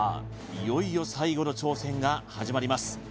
いよいよ最後の挑戦が始まります